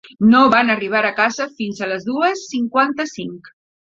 No van arribar a casa fins a les dues cinquanta-cinc.